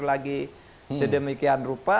lagi sedemikian rupa